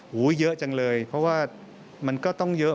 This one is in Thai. เยอะจังเลยเพราะว่ามันก็ต้องเยอะ